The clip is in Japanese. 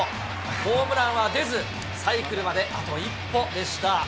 ホームランは出ず、サイクルまであと一歩でした。